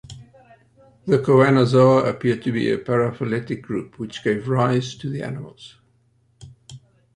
The Choanozoa appear to be a paraphyletic group which gave rise to the animals.